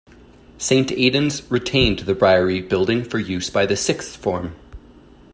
Saint Aidan's retained the Briery building for use by the sixth form.